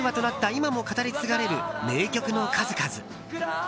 今も語り継がれる名曲の数々。